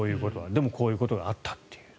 でも、こういうことがあったと。